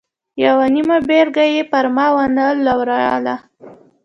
یوه نیمه بېلګه یې پر ما و نه لوروله.